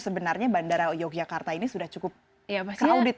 sebenarnya bandara yogyakarta ini sudah cukup crowded